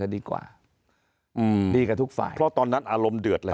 ดีกับทุกฝ่ายเพราะตอนนั้นอารมณ์เดือดเลย